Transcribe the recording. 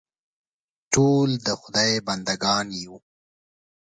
ټول د خدای بندهګان یو.